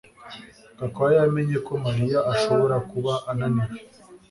Gakwaya yamenye ko Mariya ashobora kuba ananiwe